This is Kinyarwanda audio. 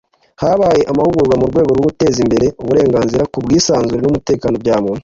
habaye amahugurwa mu rwego rwo guteza imbere uburenganzira ku bwisanzure n’ umutekano bya muntu.